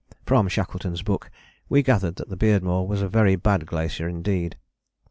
From Shackleton's book we gathered that the Beardmore was a very bad glacier indeed.